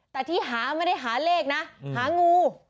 แต่ที่หาไม่ได้หาเลขนะหางู